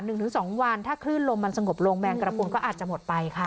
หนึ่งถึงสองวันถ้าคลื่นลมมันสงบลงแมงกระโปรงก็อาจจะหมดไปค่ะ